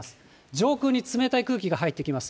上空に冷たい空気が入ってきます。